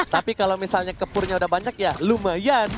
tapi kalau misalnya ke pure nya udah banyak ya lumayan